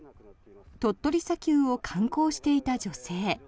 鳥取砂丘を観光していた女性。